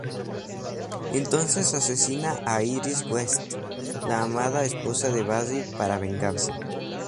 Entonces asesina a Iris West, la amada esposa de Barry para vengarse.